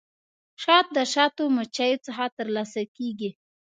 شات د شاتو مچیو څخه ترلاسه کیږي